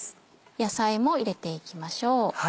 野菜も入れていきましょう。